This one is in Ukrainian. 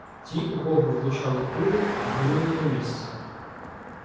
Ті, у кого влучали кулі, гинули на місці